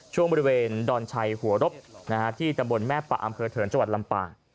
ช่วงบริเวณดอนชัยหัวรบที่ตะโบนแม่ปะอำเภอเถิร์นจลำป่า